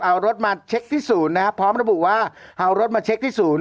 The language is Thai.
เอารถมาเช็คที่ศูนย์นะครับพร้อมระบุว่าเอารถมาเช็คที่ศูนย์